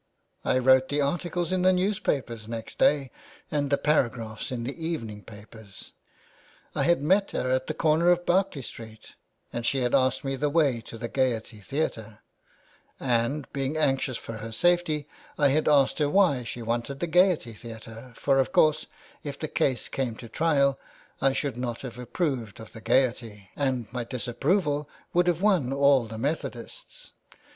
I wrote the articles in the newspapers next day and the paragraphs in the evening papers :.. I had met her at the corner of Berkeley Street and 408 THE WAY BACK. she had asked me the way to the Gaiety Theatre ; and, being anxious for her safety, I had asked her why she wanted the Gaiety Theatre, for of course if the case came to trial I should not have approved of the Gaiety, and my disapproval would have won all the Methodists.